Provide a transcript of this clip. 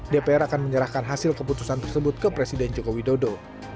dpr akan menyerahkan hasil keputusan tersebut ke presiden joko widodo